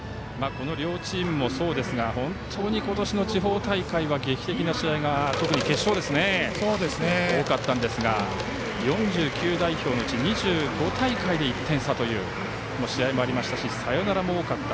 両チームもそうですが今年の地方大会は劇的な試合が特に決勝では多かったんですが４９代表のうち２５大会で１点差という試合もありましたしサヨナラも多かった。